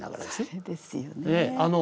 それですよね。